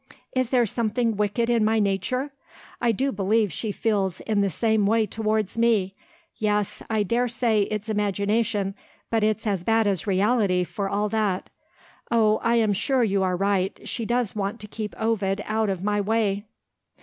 Is there something wicked in my nature? I do believe she feels in the same way towards me. Yes; I dare say it's imagination, but it's as bad as reality for all that. Oh, I am sure you are right she does want to keep Ovid out of my way!"